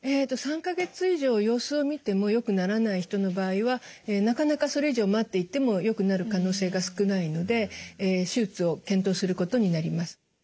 ３か月以上様子を見てもよくならない人の場合はなかなかそれ以上待っていてもよくなる可能性が少ないので手術を検討することになります。